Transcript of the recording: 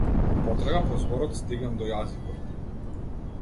Во потрага по зборот стигам до јазикот.